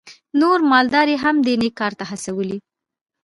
نور مالداره یې هم دې نېک کار ته هڅولي.